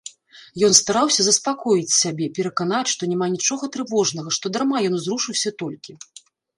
Ён стараўся заспакоіць сябе, пераканаць, што няма нічога трывожнага, што дарма ён узрушыўся толькі.